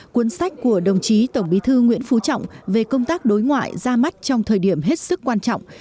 cuốn sách của đồng chí tổng bí thư nguyễn phú trọng về công tác đối ngoại ra mắt trong thời điểm hết sức quan trọng